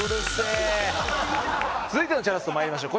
続いてのチャラッソ参りましょう。